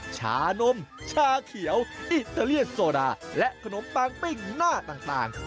ชานมชาเขียวอิตาเลียนโซดาและขนมปังปิ้งหน้าต่าง